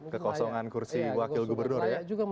kekosongan kursi wakil gubernur ya